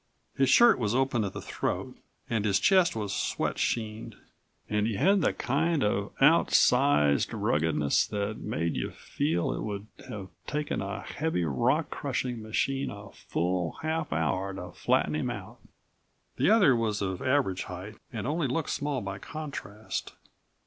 His shirt was open at the throat and his chest was sweat sheened and he had the kind of outsized ruggedness that made you feel it would have taken a heavy rock crushing machine a full half hour to flatten him out. The other was of average height and only looked small by contrast.